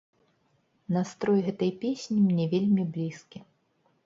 Настрой гэтай песні мне вельмі блізкі.